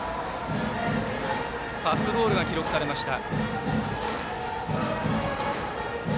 パスボールが記録されました。